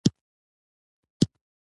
وياړلی ژوند وکړه!